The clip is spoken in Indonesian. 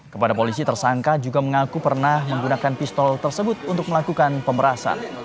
kepada polisi tersangka juga mengaku pernah menggunakan pistol tersebut untuk melakukan pemerasan